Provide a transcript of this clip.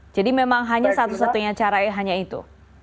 jadi memang hanya satu satunya cara hanya itu